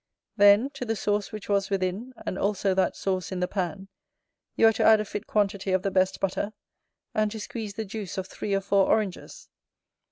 Then, to the sauce which was within, and also that sauce in the pan, you are to add a fit quantity of the best butter, and to squeeze the juice of three or four oranges.